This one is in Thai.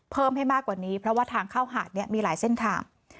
เพิ่มให้มากกว่านี้เพราะว่าทางเข้าหาดมีหลายเส้นทาง